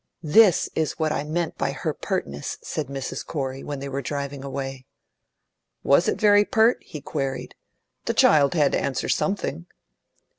"That is what I meant by her pertness," said Mrs Corey, when they were driving away. "Was it very pert?" he queried. "The child had to answer something."